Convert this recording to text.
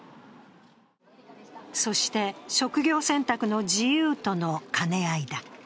そして、職業選択の自由との兼ね合いだ。